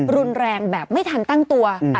รุนแรงแบบไม่ทันตั้งตัว